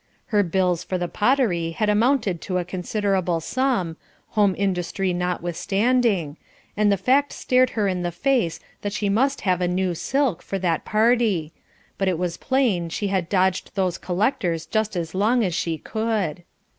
Her bills for the pottery had amounted to a considerable sum, home industry notwithstanding, and the fact stared her in the face that she must have a new silk for that party but it was plain she had dodged those collectors just as long as she could.